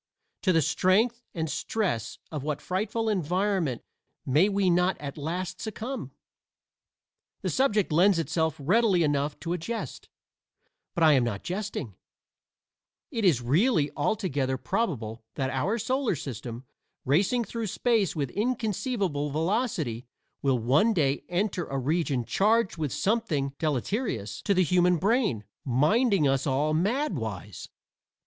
to the strength and stress of what frightful environment may we not at last succumb? The subject lends itself readily enough to a jest, but I am not jesting: it is really altogether probable that our solar system, racing through space with inconceivable velocity, will one day enter a region charged with something deleterious to the human brain, minding us all mad wise.